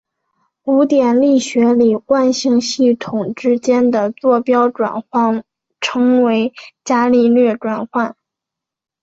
在古典力学里惯性系统之间的座标转换称为伽利略变换。